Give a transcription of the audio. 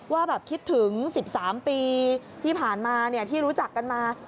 ว่าแบบคิดถึง๑๓ปีที่ผ่านมาที่รู้จักกันมา